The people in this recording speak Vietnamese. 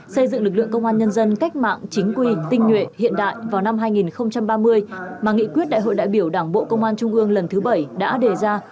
xây dựng lực lượng công an nhân dân cách mạng chính quy tinh nhuệ hiện đại vào năm hai nghìn ba mươi mà nghị quyết đại hội đại biểu đảng bộ công an trung ương lần thứ bảy đã đề ra